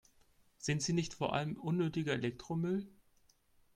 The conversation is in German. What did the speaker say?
Sind sie nicht vor allem unnötiger Elektromüll?